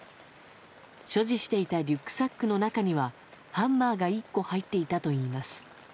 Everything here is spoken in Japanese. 所持していたリュックサックの中にはハンマーが１個入っていたといいます。